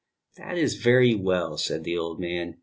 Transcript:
"That is very well," said the old man.